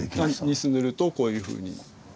ニス塗るとこういうふうに。